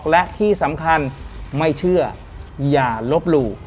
และที่สำคัญไม่เชื่ออย่าลบหลู่